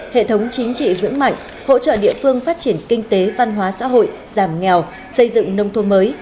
hệ thống chính trị vững mạnh hỗ trợ địa phương phát triển kinh tế văn hóa xã hội giảm nghèo xây dựng nông thôn mới